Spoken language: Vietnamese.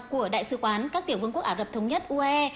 của đại sứ quán các tiểu vương quốc ả rập thống nhất uae